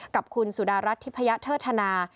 กับคุณสุดารัฐทิพยเทิดธนา